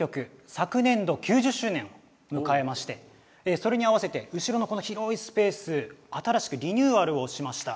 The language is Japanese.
昨年度９０周年を迎えましてそれにあわせて後ろの広いスペース新しくリニューアルをしました。